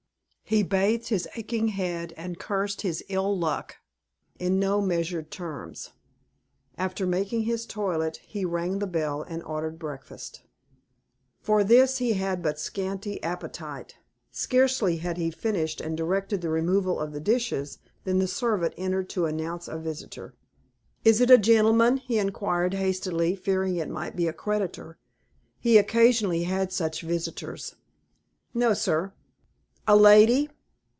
He bathed his aching head, and cursed his ill luck, in no measured terms. After making his toilet, he rang the bell, and ordered breakfast. For this he had but scanty appetite. Scarcely had he finished, and directed the removal of the dishes, than the servant entered to announce a visitor. "Is it a gentleman?" he inquired, hastily, fearing it might be a creditor. He occasionally had such visitors. "No, sir." "A lady?"